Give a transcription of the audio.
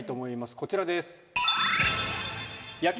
こちらです。